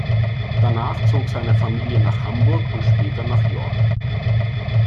Danach zog seine Familie nach Hamburg und später nach Jork.